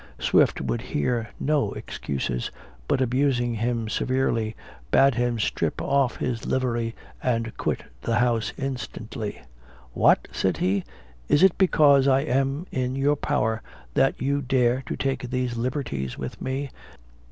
Swift would hear no excuses, but abusing him severely, bade him strip off his livery, and quit the house instantly. "What!" said he, "is it because I am in your power that you dare to take these liberties with me?